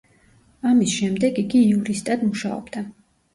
ამის შემდეგ, იგი იურისტად მუშაობდა.